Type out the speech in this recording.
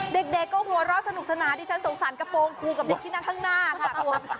เด็กก็กลัวรอดสนุกทรณะที่ฉันสงสารกระโปรงคูและเด็กที่นั่งข้างหน้าค่ะ